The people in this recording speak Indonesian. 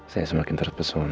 saya semakin terpesona sama kamu